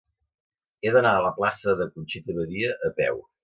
He d'anar a la plaça de Conxita Badia a peu.